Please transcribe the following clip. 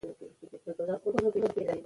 عصري زیربناوو او دوامداره پرمختګ په موخه،